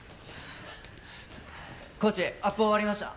コーチアップ終わりました。